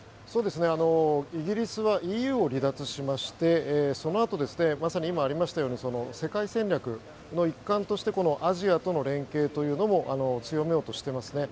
イギリスはＥＵを離脱しましてそのあとまさに今ありましたように世界戦略の一環としてアジアとの連携というのも強めようとしています。